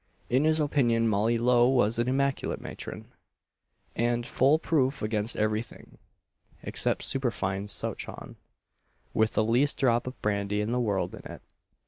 In his opinion Molly Lowe was an immaculate matron, and full proof against every thing except superfine souchong, with the least drop of brandy in the world in it.